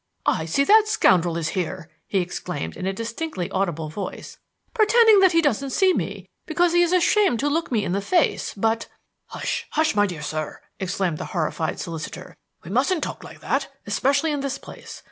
"I see that scoundrel is here!" he exclaimed in a distinctly audible voice, "pretending that he doesn't see me, because he is ashamed to look me in the face, but " "Hush! hush! my dear sir," exclaimed the horrified solicitor; "we mustn't talk like that, especially in this place.